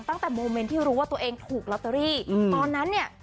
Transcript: ตั้งแต่โมเมนต์ที่รู้ว่าตัวเองถูกลอตเตอรี่ตอนนั้นเนี่ย